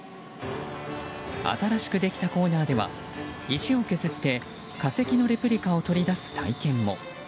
新しくできたコーナーでは石を削って化石のレプリカを取り出す体験も。